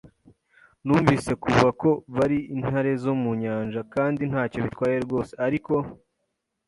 Numvise kuva ko bari intare zo mu nyanja, kandi ntacyo bitwaye rwose. Ariko